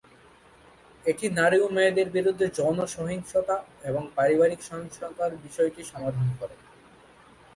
এটি নারী ও মেয়েদের বিরুদ্ধে যৌন সহিংসতা এবং পারিবারিক সহিংসতার বিষয়টির সমাধান করে।